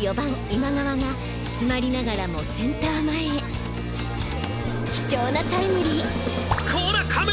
今川が詰まりながらもセンター前へ貴重なタイムリーこらカメラ！